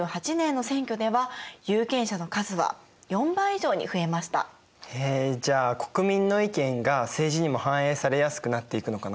それでもへえじゃあ国民の意見が政治にも反映されやすくなっていくのかな。